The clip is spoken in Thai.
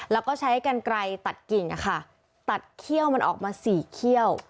แล้วก็ใช้กันไกลตัดกิ่งตัดเขี้ยวมันออกมาสี่เขี้ยว